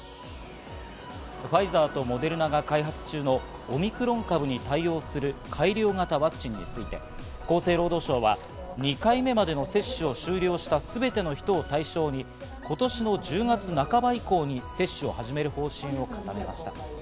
ファイザーとモデルナが開発中のオミクロン株に対応する改良型ワクチンについて厚生労働省は２回目までの接種を終了したすべての人を対象に今年の１０月半ば以降に接種を始める方針を固めました。